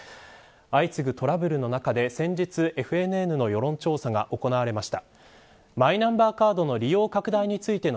相次ぐトラブルの中で先日、ＦＮＮの世論調査が行われました。